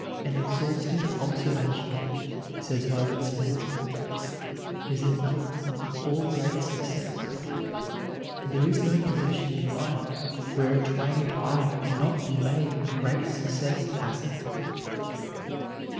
"An exhaustive observation," says Herbert Spencer, "is an element of all great success." There is no position in life where a trained eye can not be made a great success asset.